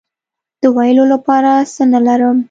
د ویلو لپاره څه نه لرم